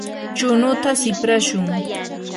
chunuta siprashun.